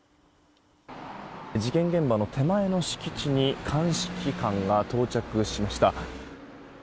事件現場の手前の敷地に鑑識官が到着しました。